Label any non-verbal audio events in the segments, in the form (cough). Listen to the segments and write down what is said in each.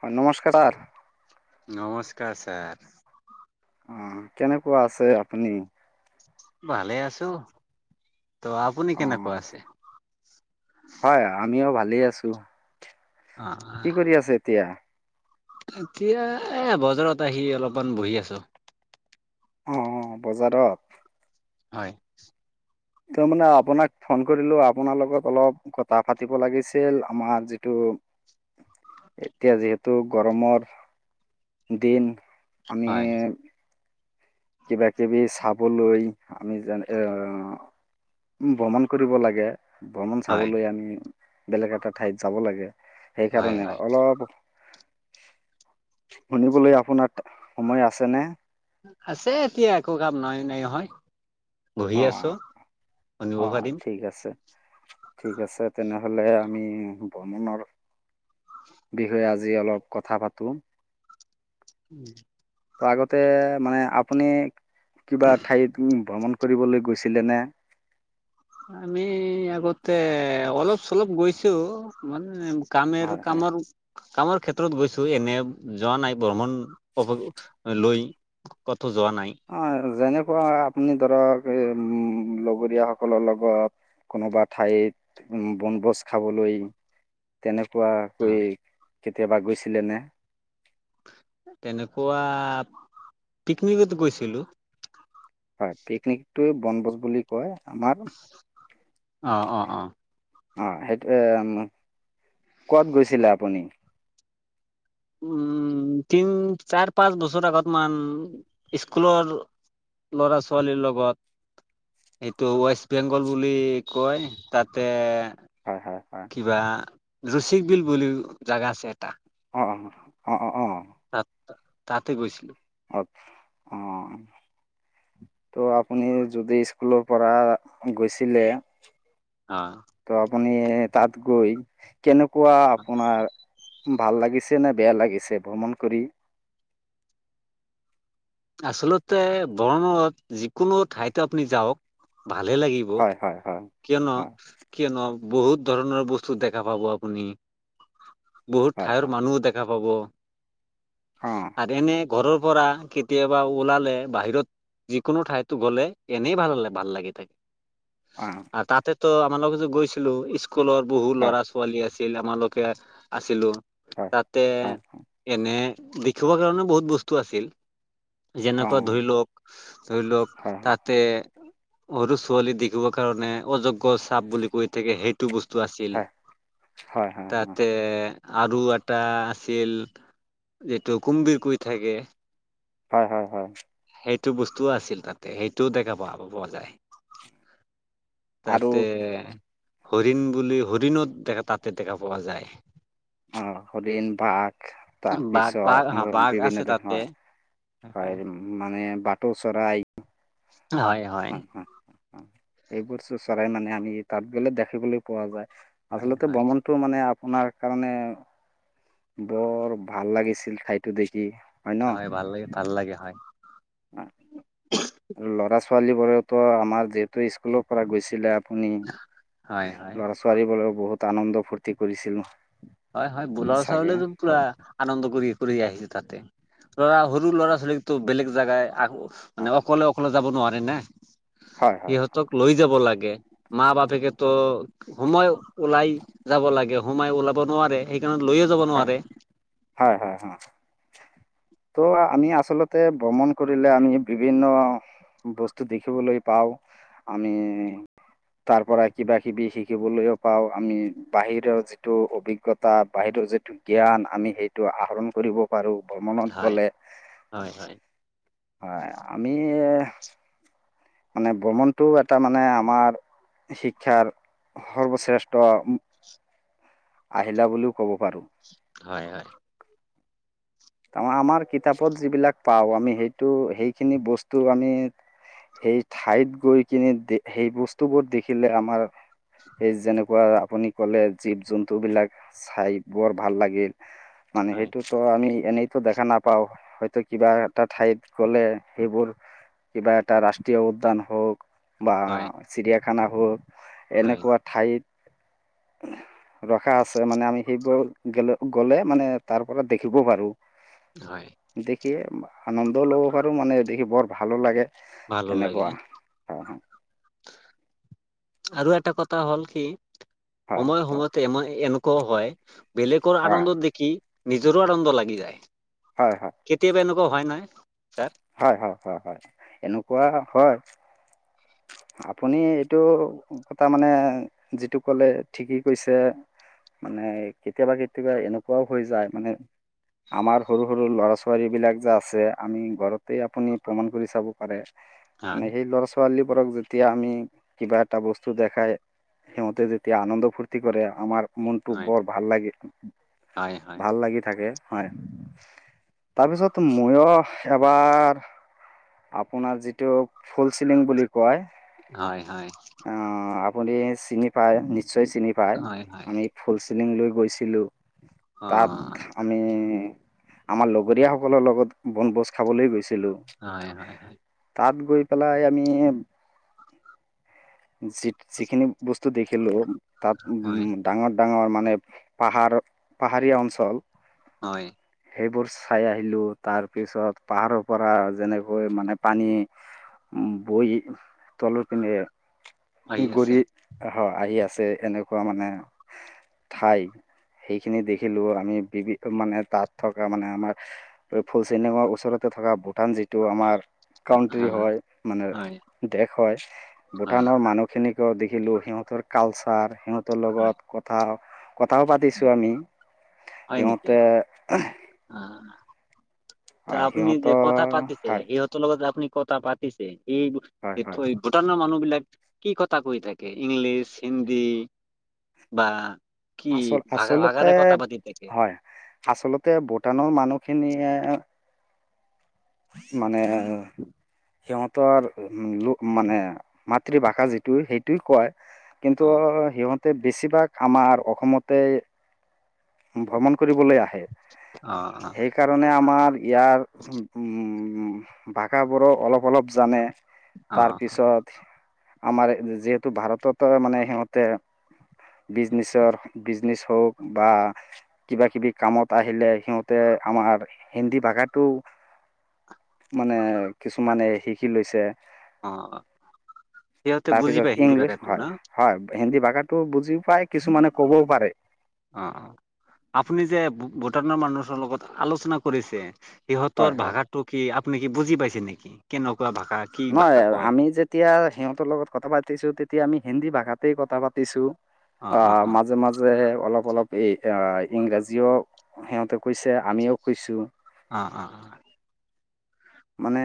অ', নমস্কাৰ। (inaudible) অ', কেনেকুৱা আছে আপুনি। ভালে আছো, ত' আপুনি কেনেকুৱা অঁ আছে? হয়, আমিও ভালেই আছো। অ কি কৰি আছে এতিয়া? এতিয়া এ বজাৰত আহি অলপমান বহি আছো। অ', বজাৰত। হয়। ত' মানে আপোনাক ফোন কৰিলো। আপোনাৰ লগত অলপ কথা পাতিব লাগিছিল আমাৰ যিটো এতিয়া যিহেতু গৰমৰ দিন। আমি হয় কিবা কিবি চাবলৈ আমি (unintelligible) উম, ভ্ৰমণ কৰিব লাগে ভ্ৰমণ হয় চাবলৈ আনি বেলেগ এটা ঠাইত যাব লাগে। হয় সেইকাৰণে হয় অলপ, শুনিবলৈ আপোনাক সময় আছেনে। আছে এতিয়া একো কাম নই নাই অহয়। বহি অঁ আছোঁ, শুনিব অঁ পাৰিম। ঠিক আছে ঠিক আছে তেনেহ'লে আমি ভ্ৰমণৰ, বিষয়ে আজি অলপ কথা পাতোঁ। (inaudible) আগতে মানে আপুনি, কিবা ঠাইত ভ্ৰমণ কৰিবলৈ গৈছিলেনে। আমি আগতে অলপ চলপ গৈছোঁ মানে কামেৰ হয় হয় কামৰ কামৰ ক্ষেত্ৰত গৈছোঁ এনেই যোৱা নাই ভ্ৰমণ (unintelligible) লৈ। ক'তো যোৱা নাই অ' যেনেকুৱা আপুনি ধৰক এ উম, লগৰীয় সকলৰ লগত। কোনোবা ঠাইত উম, বনভোজ খাবলৈ তেনেক অ কোৱাকৈ কেতিয়াবা গৈছিলেনে। তেনেকুৱা, পিকনিকত গৈছিলোঁ। হয় পিকনিকটোৱে বনভোজ বুলি কয়। আমাৰ অ', অ', অ'। অ' সেইটো, ক'ত গৈছিলে আপুনি। উম, তিন চাৰ পাঁচ বছৰ আগত মান স্কুলৰ ল'ৰা ছোৱালীৰ লগত। এইটো ৱেষ্ট বেংগল বুলি কয় তাতে হয় হয় হয় কিবা ৰুচি বিল বুলিও জাগা আছে এটা। অ', অ', অ', অ'। তাত তাতে গৈছিলোঁ। অ' ত' আপুনি যদি স্কুলৰ পৰা গৈছিলে। অ'। ত' আপুনি তাত গৈ কেনেকুৱা আপোনাৰ ভাল লাগিছে নে বেয়া লাগিছে ভ্ৰমণ কৰি। আচলতে বৰণত যিকোনো ঠাইতে আপুনি যাওঁক ভালে লাগিব, হয় হয় হয় কিয়নো হয় কিয়নো বহুত ধৰণৰ বস্তু দেখা পাব আপুনি, বহুত হয় ঠাইৰ হয় মানুহও দেখা হ'ব। অঁ আৰু এনে ঘৰৰ পৰা কেতিয়াবা ওলালে বাহিৰত যিকোনো ঠাইতো গ'লে এনেই ভাল ভাল লাগি থাকে। অ'। তাতেতো আমাৰ লগতো গৈছিলো স্কুলত বহু হয় ল'ৰা ছোৱালী আছি (unintelligible) আমালোকে আছিলোঁ, হয় তাতে হয় এনে দেখিবৰ কাৰণে বহুত বস্তু আছিল। অঁ যেনেকুৱা ধৰি লওঁক, ধৰি লওঁক হয় হয় তাতে সৰু ছোৱালী দেখিব কাৰণে অযোগ্য চাপ বুলি কৈ থাকে সেইটো ব (unintelligible) আছিল। হয় হয় হয় তাতে আৰু এটা আছিল যিটো কুমবিৰ কৈ থাকে। হয় হয় হয়। সেইটো বস্তুও আছিল তাতে সেইটোও দেখা পাওঁ পোৱা যায়। আৰু তাতে। হৰিণ বুলি হৰিণত (unintelligible) তাতে দেখা পোৱা যায়। অ', হৰিণ, বাঘ তাৰ বাঘ বাঘ পিছত হা বাঘ আছে বিভিন্ন (unintelligible) তাতে হয় হয় মানে ভাটৌ চৰাই হয় হয়। এইবোৰটো চৰাই মানে আমি তাত গ'লে দেখিবলৈ পোৱা যায়। হয় আচলতে ব্ৰমনটো মানে আপোনাৰ কাৰণে বৰ ভাল লাগিছিল ঠাইতো দেখি। হয়, ভাল লাগে ভাল লাগে, হয়। আৰু ল'ৰা ছোৱালী বোৰেতো আমাৰ যিহেতু স্কুলৰ পৰা গৈছিলে। আপুনি হয় হয় ল'ৰা ছোৱালীবোৰেও বহুত আনন্দ ফূৰ্তি কৰিছিল। হয় হয়, বোলৰ চাগে ওচৰলে পুৰা হয়। আনন্দ কৰি কৰি আহিছে তাতে, ধৰা সৰু ল'ৰা ছোৱালীকতো বেলেগ জেগাই হয় মানে অকলে অকলে যাব নোৱাৰে নে, হয় সিহঁতক লৈ যাব লাগে। মা বাপেকেতো সোমাই ওলাই যাব লাগে, সোমাই ওলাব নোৱাৰে সেই লৈয়ে যাব হয় নোৱাৰে। হয় হয় হয় ত' আমি আচলতে ভ্ৰমণ কৰিলে আমি বিভিন্ন বস্তু দেখিবলৈ পাও, আমি তাৰ পৰা কিবা কিবি শিকিবলৈও পাও, আমি বাহিৰৰ যিটো অভিজ্ঞতা বাহিৰৰ যিটো যিটো জ্ঞান আমি সেইটো আহৰণ কৰিব পাৰো। ভ্ৰমনত হয়, গ'লে, হয়, হয়, হয়, আমি মানে ভ্ৰমণটো এটা মানে আমাৰ শিক্ষাৰ সৰ্বশ্ৰেষ্ঠ আহিলা বুলিও ক'ব পাৰো। হয়, হয়। আমা আমাৰ কিতাপত যিবিলাক পাওঁ, আমি সেইটো সেইখিনি বস্তু আমি সেই ঠাইত গৈ কিনে সেই বস্তুবোৰ দেখিলে আমাৰ সেই যেনেকুৱা আপুনি কলে জীৱ জন্তু বিলাক চাই বৰ ভাল লাগে। মানে হয়, সেইটোতো আমি এনেইতো দেখা নাপাও, হয়তো কিবা এটা ঠাইত গলে, সেইবোৰ কিবা এটা ৰাষ্ট্ৰীয় উদ্যান হওক বা হয়, চিৰিয়াখানা হওক হয়, এনেকুৱা ঠাইত ৰখা আছে মানে, আমি সেইবোৰ গলে, গ'লে মানে তাৰ পৰা দেখিব পাৰো। হয়। দেখিয়ে আনন্দও ল'ব পাৰো, মানে দেখি বৰ ভালো লাগে। ভালো লাগে এনেকুৱা হয়। আৰু এটা কথা হ'ল কি হয় সময়ে, হয় সময়তে আমাৰ এনেকুৱাও হয় বেলেগৰ হয় আনন্দত দেখি নিজৰো আনন্দ লাগি যায়, হয় কেতিয়াবা এনেকুৱা হয় নাই? হয়, হয়, হয়, হয় এনেকুৱা হয়। আপুনি এইটো কথা মানে যিটো কলে ঠিকেই কৈছে। মানে কেতিয়াবা, কেতিয়াবা এনেকুৱাও হৈ যায় মানে আমাৰ সৰু, সৰু ল'ৰা ছোৱালী বিলাক যে আছে আমি ঘৰত আপুনি প্ৰমাণ কৰি চাব পাৰে হয়, মানে, সেই ল'ৰা ছোৱালী বোৰক যেতিয়া আমি কিবা এটা বস্তু দেখাই সিহঁতে যেতিয়া আনন্দ ফূৰ্তি কৰে, আমাৰ মনটো হয়, বৰ ভাল লাগে, হয়, হয়, ভাল লাগি থাকে হয়। তাৰপিছত ময়ো এবাৰ আপোনাৰ যিটো ফুল চিলিং বুলি কয় হয়, হয়, অ', আপুনি চিনি পায় নিশ্চয়। নিশ্চয় চিনি পাই, হয়, হয়, আমি ফুল চিলিং লৈ গৈছিলো। তাত অ', আমি আমাৰ লগৰীয়া সকলৰ লগত বনভোজ খাবলৈ গৈছো। লো, হয়, হয়, হয়, তাত গৈ পেলাই আমি যি যিখিনি বস্তু দেখিলো টাত, হয়, উম', ডাঙৰ ডাঙৰ মানে পাহাৰ পাহাৰীয়া অঞ্চল হয়। সেইবোৰ চাই আহিলোঁ, তাৰপিছত পাহাৰৰ পৰা যেনেকৈ মানে পানী বৈ আহি তলতপোনেপিনে আছে, গৰি আহি আছে। আছে এনেকুৱা মানে ঠাই সেইখিনি দেখিলো, আমি বিভিন্ন মানে তাত থকা মানে, আমাৰ ফুলচিনেঙৰ ওচৰতে থকা ভোটান যিটো আমাৰ কাউন্ট্ৰী হয়, মানে হয়, দেশ হয়, হয়, ভূটানৰ মানুহখিনিক ক দেখিলোঁ, সিহঁতৰ কালচাৰ, সিহঁতৰ হয়, লগত কথা কথাও পাতিছোঁ, আমি হয় সিহঁতে নেকি? অ, হয়, আপনি যে কথা সিহঁতৰ পাতিছে, হয় সিহঁতৰ লগত আপনি কথা পাতিছে, এই হয় হয় ভোটনৰ মানুহ বিলাক কি কথা কৈ থাকে, ইংলিছ, হিন্দি বা কি আচল, ভাষা আচলতে ভাষাৰে কথা পাতি থাকে হয়। আচলতে ভোটানৰ মানুহখিনিয়ে মানে সিহঁতৰ লোক মানে, মাতৃভাষা যিটো সেইটো কয়। কিন্তু অ সিহঁতে বেছিভাগ, আমাৰ অসমতে ভ্ৰমণ কৰিবলৈ আহে। অ সেইকাৰণে আমাৰ ইয়াৰ, উম। উম, ভাষাবোৰো অলপ, অলপ জানে অ তাৰপিছত আমাৰ যিহেতু ভাৰতত মানে সিহঁতে বিজনেচৰ, বিজনেচ হওক বা কিবা, কিবি কামত আহিলে সিহঁতে আমাৰ হিন্দী ভাষাটো মানে কিছুমানে শিকি লৈছে। অ সিহঁতে বুজি তাৰপিছত পায় হিন্দী ইংলিছ ভাষাটো ন হয়, হয়। হিন্দী ভাষাটো বুজিও পায় কিছুমানে ক'বও পাৰে। অ', অ', আপুনি যে ভূটানৰ মানুহৰ লগত আলোচনা কৰিছে। সিহঁতৰ হয় হয় ভাষাটো কি আপুনি কি বুজি পাইছে নেকি কেনেক? নহয় আমি যেতিয়া সিহঁতৰ লগত কথা পাতিছো তেতিয়া আমি হিন্দী ভাষাতেই কথা পাতিছো। অ, মাজে, মাজে অলপ অলপ এই ইংৰাজীও সিহঁতে কৈছে আমিও কৈছোঁ। অ', অ', অ', মানে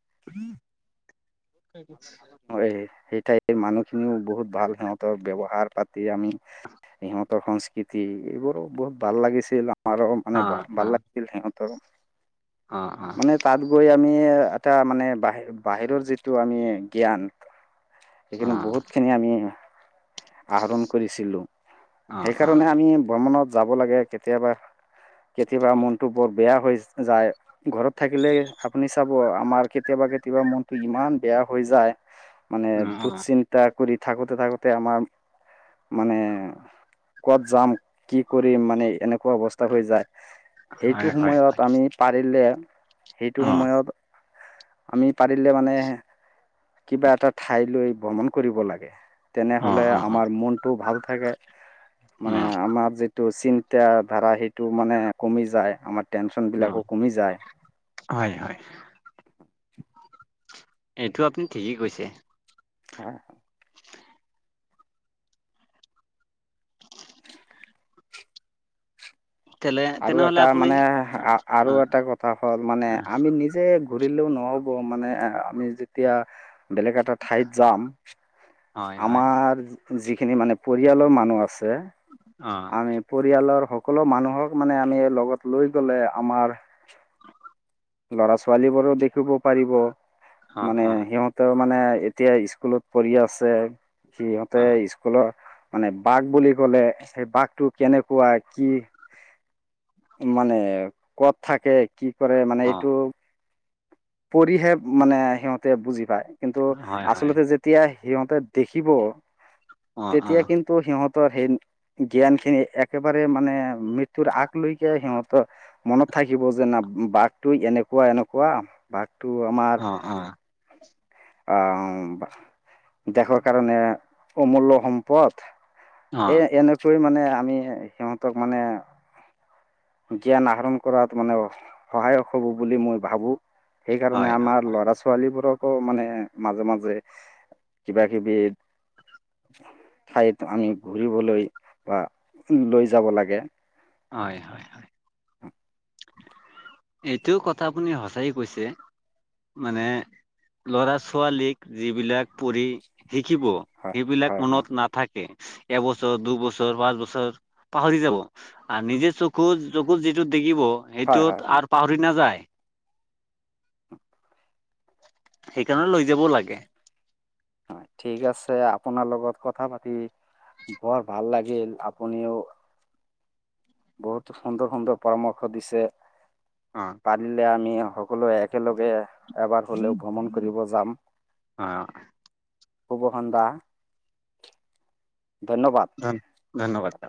(inaudible) ভ, সেই ঠাইৰ মানুহখিনিও বহুত ভাল সিহঁতৰ ব্যৱহাৰ পাতি আমি সিহঁতৰ সংস্কৃতি এইবোৰো বহুত ভাল লাগিছিল। আৰু মানে অ অ ভাল লাগিছিল সিহঁতৰ অ অ অ মানে তাত গৈ আমি এটা মানে বাহিৰ, বাহিৰৰ যিটো আমি জ্ঞান এইখিনি বহুত খিনি আমি আহৰণ কৰিছিলো, অ সেইকাৰণে আমি ভ্ৰমণত যাব লাগে কেতিয়াবা। কেতিয়াবা মনতটো বৰ বেয়া হৈ যায় ঘৰত থাকিলে আপুনি চাব আমাৰ কেতিয় কেতিয়াবা, কেতিয়াবা মনতটো ইমান বেয়া হৈ যায় মানে অ অ দুশচিন্তা কৰি থাকোতে, থাকোতে আমাৰ মানে ক'ত যাম কি কৰিম মানে এনেকুৱা অৱস্থা হৈ যায়। সেইটো হয় হয় সময়ত আমি পাৰিলে সেইটো অ সময়ত আমি পাৰিলে মানে কিবা এটা ঠাই লৈ ভ্ৰমণ কৰিব লাগে। অ তেনেহলে অ অ আমাৰ মনটো ভাল থাকে অ মানে আমাৰ য টো চিন্ত ধাৰা সেইটো মানে কমি যায় আমাৰ। টেনচন অ বিলাকো কমি যায়। হয় হয় এইটো আপুনি ঠিকেই কৈছে। হয়। তেলে আৰু তেনেহলে এটা আপুনি মানে আৰু অ এটা কথা হ'ল মানে অ আমি নিজে ঘূৰিলেও নহ'ব মানে এ, আমি যেতিয়া বেলেগ এটা ঠাইত যাম হয় হয় আমাৰ যিখিনি মানে পৰিয়ালৰ মানুহ আছে। অ আমি প পৰিয়ালৰ সকলো মানুহক মানে আমি লগত লৈ গলে আমাৰ ল'ৰা, ছোৱালী বোৰ দেখ শ, শুব পাৰিব অ মানে অ সিহঁতেও মানে এতিয়া স্কুলত পঢ়ি আছে। সিহঁতে অ স্কুলৰ মানে বাঘ বুলি ক'লে। সেই বাঘটো কেনেকুৱা কি মানে কত থাকে কি কৰে মানে এইটো পৰিহে মানে সিহঁতে বুজি পায়। কিন্তু অ হয় হয় আচলতে যেতিয়া সিহঁতে দেখিব অ অ তেতিয়া কিন্তু সিহঁত সেই জ্ঞান খিনি একেবাৰে মানে মৃত্যুৰ আগ লৈকে সিহঁতৰ মনত থাকিব যে না বাঘটো এনেকুৱা, এনেকুৱা বাঘ। তটো আমাৰ অ অ আহ দেৰ কাৰণে অমূল্য় সম্পদ। অ এ, এনেকৈ মানে আমি সিহঁতক মানে জ্ঞান আহৰণ কৰাত মানে সহায়ক হ'ব বুলি মই ভাবো। সেইকাৰণে হয় হয় আমাৰ ল'ৰা, ছোৱালীবোৰক আকৌ মানে মাজে, মাজে কিবা, কিবি ঠাইত আমি ঘূৰিবলৈ বা লৈ যাব লাগে। হয়, হয়, হয়। এইটোও কথা আপুনি সঁচাই কৈছে। মানে ল'ৰা, ছোৱালীক যিবিলাক পঢ়ি শিকিব হয় সেইবিলাক হয় হয় মনত নাথাকে এবছৰ, দুবছৰ, পাঁচবছৰ পাহৰি যাব আৰু নিজে চকু, চকুত যিটো দেখিব হয় হয় সেইটোত হয় আৰু পাহৰি না যায়। সেইকাৰণে লৈ যাবও লাগে। ঠিক আছে আপোনাৰ লগত কথা পাতি বৰ ভাল লাগিল আপুনিও বহুত সুন্দৰ, সুন্দৰ পৰামৰ্শ দিছে। অ পাৰিলে আমি সকলোৱে একেলগে এবাৰ হ'লেও ভ্ৰমণ কৰিব যাম। অ'। পু্ব, খন্দা। ধন, ধন্যবাদ ছ